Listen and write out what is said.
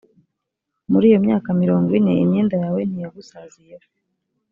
muri iyo myaka mirongo ine, imyenda yawe ntiyagusaziyeho,